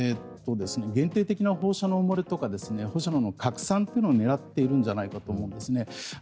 限定的な放射能漏れとか放射能の拡散を狙っているんじゃないかと思うんですね。